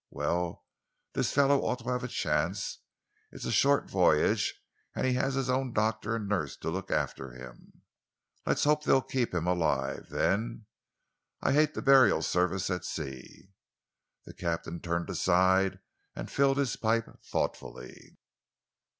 "Well, this fellow ought to have a chance. It's a short voyage, and he has his own doctor and nurse to look after him." "Let's hope they'll keep him alive, then. I hate the burial service at sea." The captain turned aside and filled his pipe thoughtfully.